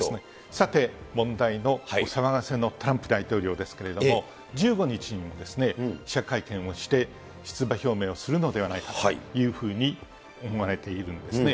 さて、問題のお騒がせのトランプ大統領ですけれども、１５日に記者会見をして、出馬表明をするのではないかというふうに思われているんですね。